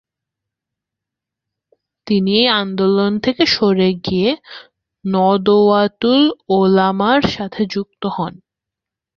তিনি এই আন্দোলন থেকে সরে গিয়ে নদওয়াতুল উলামার সাথে যুক্ত হন।